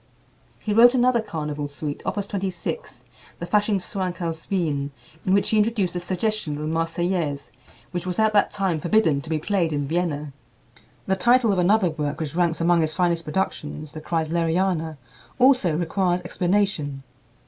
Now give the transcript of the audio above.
He wrote another carnival suite, Opus 26, the "Faschingschwank aus Wien," in which he introduced a suggestion of the "Marseillaise," which was at that time forbidden to be played in Vienna. The title of another work which ranks among his finest productions, the "Kreisleriana," also requires explanation.